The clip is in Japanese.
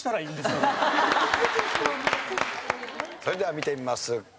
それでは見てみます。